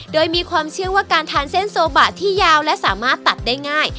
โดยมีความเชื่อว่าการทานเส้นโซบะที่ยาวและสามารถตัดได้ง่าย